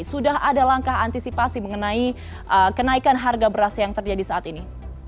sudah ada langkah antisipasi mengenai kenaikan harga beras yang terjadi saat ini